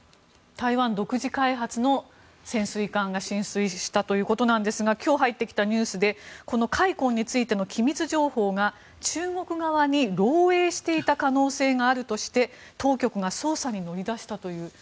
台湾独自開発の潜水艦が進水したということなんですが今日入ってきたニュースでこの「海鯤」についての機密情報が中国側に漏えいしていた可能性があるとして当局が捜査に乗り出したという。